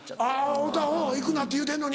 会うたうん行くなって言うてんのに。